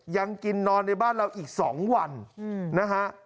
ยังกินนอนในบ้านเราอีก๒วันนะฮะ